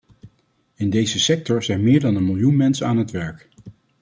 In deze sector zijn meer dan een miljoen mensen aan het werk.